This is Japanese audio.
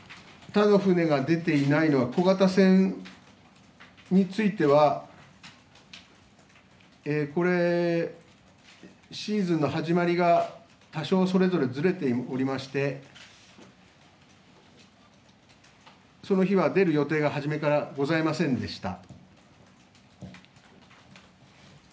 他の船が出ていないのは小型船についてはシーズンの始まりが多少それぞれずれておりましてその日は出る予定が初めからございませんでした。